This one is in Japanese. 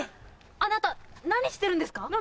あなた何してるんですか